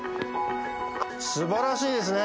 すばらしいですね。